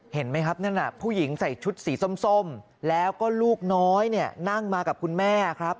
เห็นไหมครับนั่นน่ะผู้หญิงใส่ชุดสีส้มแล้วก็ลูกน้อยเนี่ยนั่งมากับคุณแม่ครับ